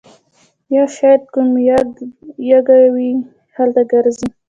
یا شاید کوم یاږ دی چې هلته ګرځي